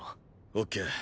オッケー。